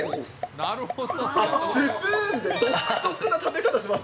なるほど。